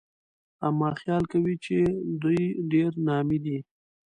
اما خيال کوي چې دوی ډېرې نامي دي